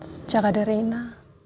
sejak ada reina